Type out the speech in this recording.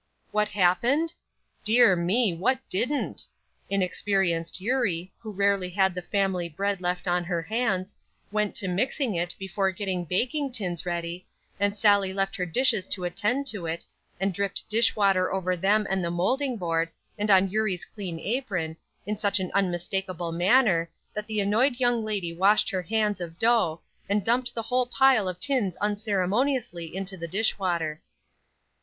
What happened? Dear me, what didn't? Inexperienced Eurie, who rarely had the family bread left on her hands, went to mixing it before getting baking tins ready, and Sallie left her dishes to attend to it, and dripped dish water over them and the molding board and on Eurie's clean apron, in such an unmistakable manner, that the annoyed young lady washed her hands of dough and dumped the whole pile of tins unceremoniously into the dish water.